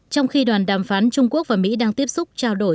trong khi đoàn đàm phán trung quốc và mỹ đang tiếp xúc trao đổi